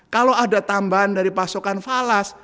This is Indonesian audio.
kalau ada tambahan dari pasokan falas